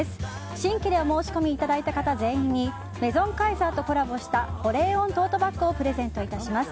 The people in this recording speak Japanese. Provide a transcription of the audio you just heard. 新規でお申し込みいただいた方全員にメゾンカイザーとコラボした保冷温トートバッグをプレゼントいたします。